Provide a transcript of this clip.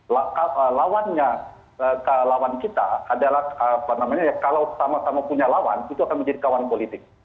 jadi lawannya lawan kita adalah apa namanya ya kalau sama sama punya lawan itu akan menjadi kawan politik